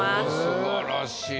素晴らしい。